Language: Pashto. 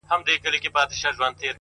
او ستا د خوب مېلمه به،